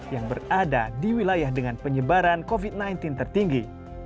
yang berada di wilayah dengan penyebaran covid sembilan belas tertinggi